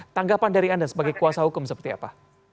tanggapan dari anda sebagai kuasa hukum seperti apa